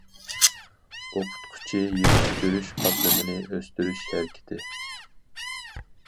ئوقۇتقۇچى يېتىشتۈرۈش قاتلىمىنى ئۆستۈرۈش ھەرىكىتى.